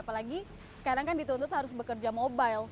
apalagi sekarang kan dituntut harus bekerja mobile